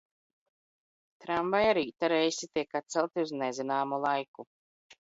Tramvaja rīta reisi tiek atcelti uz nezināmu laiku.